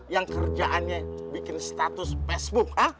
yang kerjaannya bikin status facebook